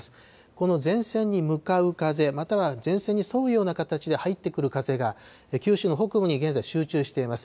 この前線に向かう風、または前線に沿うような形で入ってくる風が、九州の北部に現在、集中しています。